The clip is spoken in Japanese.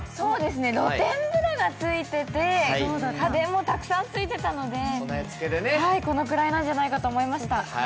露天風呂もついてて、家電もついてたので、このくらいなんじゃないかと思いました。